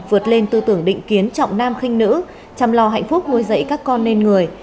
vượt lên tư tưởng định kiến trọng nam khinh nữ chăm lo hạnh phúc nuôi dạy các con nên người